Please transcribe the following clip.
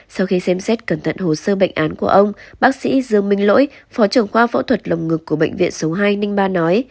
sau khi xem xét cẩn thận hồ sơ bệnh án của ông bác sĩ dương minh lỗi phó trưởng khoa phẫu thuật lồng ngực của bệnh viện số hai trăm linh ba nói